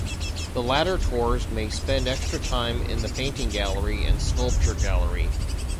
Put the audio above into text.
The latter tours may spend extra time in the Painting Gallery and Sculpture Gallery.